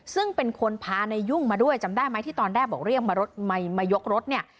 ซึ่งเป็นคนพานายยุ่งมาด้วยจำได้ไหมที่ตอนแรกบอกเรียกมารถมายกรถเนี่ย